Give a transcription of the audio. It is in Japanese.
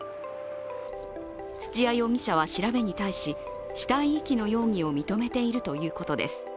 土屋容疑者は調べに対し、死体遺棄の容疑を認めているということです。